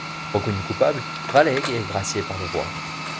Reconnu coupable, Raleigh est gracié par le roi.